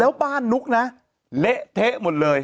แล้วบ้านนุ๊กนะเละเทะหมดเลย